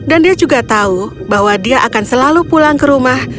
dan dia juga tahu bahwa dia akan selalu pulang ke rumah